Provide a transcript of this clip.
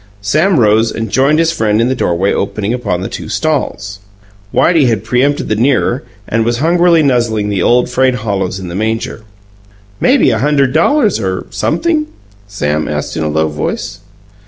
Sam rose and joined his friend in the doorway opening upon the two stalls. Whitey had preempted the nearer, and was hungrily nuzzling the old frayed hollows in the manger. "Maybe a hunderd dollars or sumpthing?" Sam asked in a low voice.